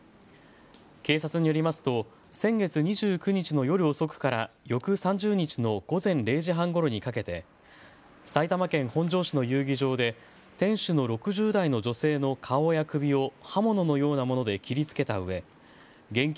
警察によりますと先月２９日の夜遅くから翌３０日の午前０時半ごろにかけて埼玉県本庄市の遊技場で店主の６０代の女性の顔や首を刃物のようなもので切りつけたうえ現金